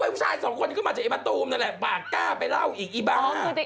คุณผู้ชายสองคนยังขึ้นมาจากไอ้มะตูมนั่นแหละป่ะก้าไปเล่าอีกอีบ้า